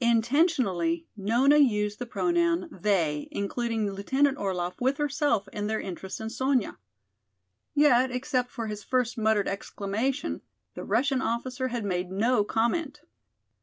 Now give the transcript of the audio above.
Intentionally Nona used the pronoun "they," including Lieutenant Orlaff with herself in their interest in Sonya. Yet except for his first muttered exclamation the Russian officer had made no comment.